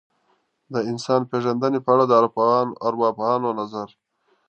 د انسان پېژندنې په اړه د ارواپوهانو نظر.